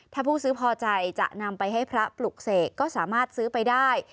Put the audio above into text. ถ้าผู้ซื้อพอใจจะนำไปให้พระปลุกเสกก็สามารถซื้อไปได้